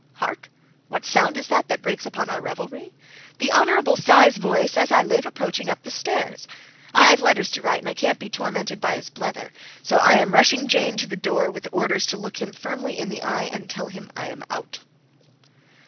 Hark! What sound is that that breaks upon our revelry? The Hon. Cy's voice, as I live, approaching up the stairs. I've letters to write, and I can't be tormented by his blether, so I am rushing Jane to the door with orders to look him firmly in the eye and tell him I am out.